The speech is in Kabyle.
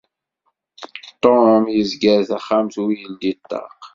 Ṭum yezger taxxamt u yeldi ṭṭaq.